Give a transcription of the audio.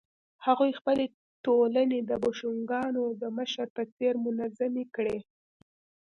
هغوی خپلې ټولنې د بوشونګانو د مشر په څېر منظمې کړې.